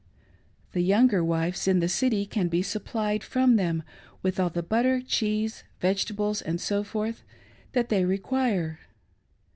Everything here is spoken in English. The younger wives in the city can be supplied from them with all tlie butter, cheese, vegetables, &c., that they require.